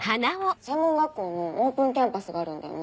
専門学校のオープンキャンパスがあるんだよね。